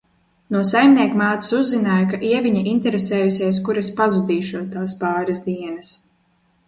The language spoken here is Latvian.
"No saimniekmātes uzzināju, ka Ieviņa interesējusies kur es "pazudīšot" tās pāris dienas."